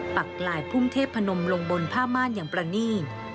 ปักลายพุ่มเทพนมลงบนผ้าม่านอย่างประนีต